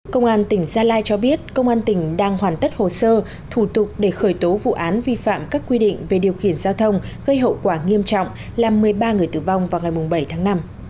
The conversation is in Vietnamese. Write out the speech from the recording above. công an tỉnh gia lai cho biết công an tỉnh đang hoàn tất hồ sơ thủ tục để khởi tố vụ án vi phạm các quy định về điều khiển giao thông gây hậu quả nghiêm trọng làm một mươi ba người tử vong vào ngày bảy tháng năm